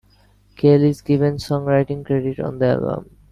Cale is given songwriting credit on the album.